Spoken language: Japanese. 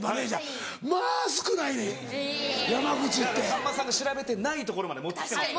さんまさん調べてないところまで持ってきてますから。